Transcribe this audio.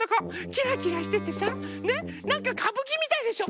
キラキラしててさねなんかかぶきみたいでしょ。